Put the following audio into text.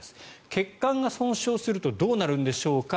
血管が損傷するとどうなるんでしょうか。